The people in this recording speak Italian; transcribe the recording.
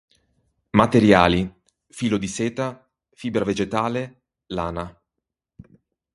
Materiali: filo di seta, fibra vegetale, lana.